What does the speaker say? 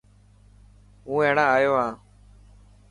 هون هينڙا آيو هان.